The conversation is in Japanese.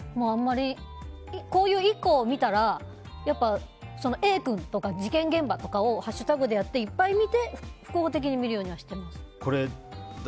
こういう１個を見たらＡ君とか事件現場とかをハッシュタグでやって複合的に見るようにしてます。